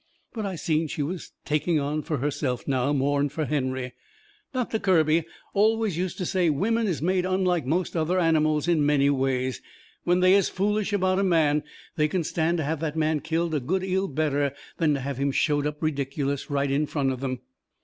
But I seen she was taking on fur herself now more'n fur Henry. Doctor Kirby always use to say women is made unlike most other animals in many ways. When they is foolish about a man they can stand to have that man killed a good 'eal better than to have him showed up ridiculous right in front of them.